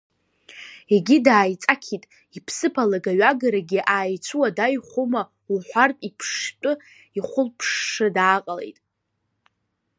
Егьи дааиҵақьит, иԥсыԥ алагаҩагарагьы ааицәуадаҩхома уҳәартә иԥштәы ихәылԥшша дааҟалеит.